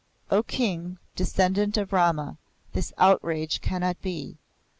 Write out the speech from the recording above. "O King, Descendant of Rama! this outrage cannot be.